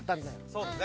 そうですね。